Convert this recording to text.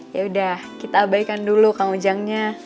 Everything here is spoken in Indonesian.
yaudah kita abaikan dulu kang ujangnya